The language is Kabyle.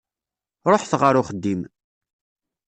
Ṛuḥet ɣer uxeddim.